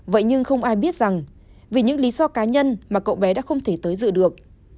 vậy nhưng không ai biết rằng vì những lý do cá nhân mà cậu bé đã không thể tới dự được